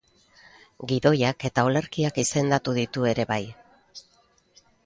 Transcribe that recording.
Gidoiak eta olerkiak izendatu ditu ere bai.